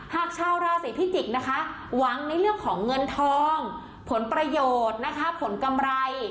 หากชาวราศีพิจิกษ์นะคะหวังในเรื่องของเงินทองผลประโยชน์นะคะผลกำไร